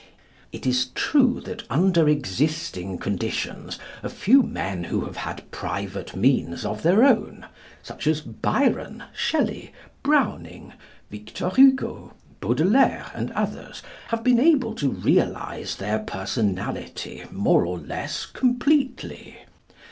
It is true that, under existing conditions, a few men who have had private means of their own, such as Byron, Shelley, Browning, Victor Hugo, Baudelaire, and others, have been able to realise their personality more or less completely.